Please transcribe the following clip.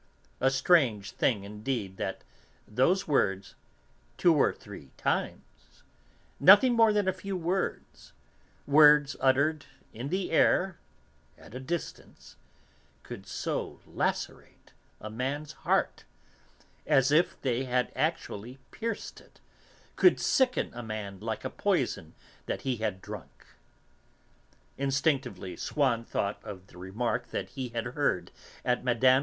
A strange thing, indeed, that those words, "two or three times," nothing more than a few words, words uttered in the air, at a distance, could so lacerate a man's heart, as if they had actually pierced it, could sicken a man, like a poison that he had drunk. Instinctively Swann thought of the remark that he had heard at Mme.